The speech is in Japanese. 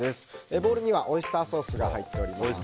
ボウルにはオイスターソースが入っています。